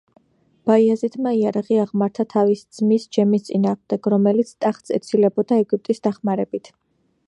ბაიაზიდმა იარაღი აღმართა თავისი ძმის ჯემის წინააღმდეგ, რომელიც ტახტს ეცილებოდა ეგვიპტის დახმარებით.